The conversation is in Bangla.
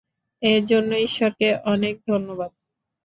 এর জন্য ঈশ্বরকে অনেক ধন্যবাদ।